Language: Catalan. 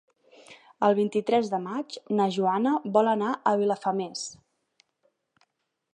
El vint-i-tres de maig na Joana vol anar a Vilafamés.